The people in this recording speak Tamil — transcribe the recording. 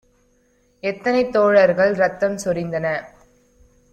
எத்தனை தோழர்கள் ரத்தம் சொரிந்தன